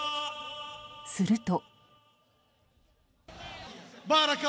すると。